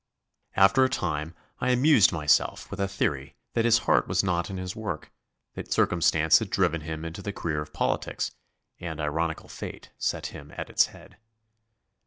After a time, I amused myself with a theory that his heart was not in his work, that circumstance had driven him into the career of politics and ironical fate set him at its head.